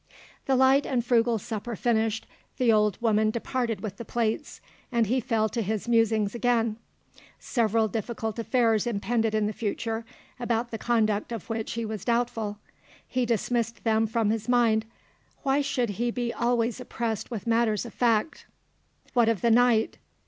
The light and frugal supper finished, the old woman departed with the plates, and he fell to his musings again. Several difficult affairs impended in the future, about the conduct of which he was doubtful. He dismissed them from his mind; why should he be always oppressed with matters of fact? What of the night?